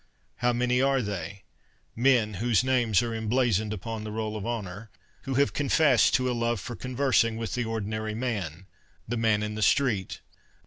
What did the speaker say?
How many are they — men whose names are emblazoned upon the roll of honour — who have confessed to a love for conversing with the ordinary man, ' the man in the street